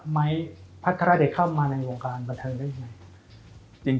ไม้พัฒนาเด็กเข้ามาในวงการกับเธอได้ยังไง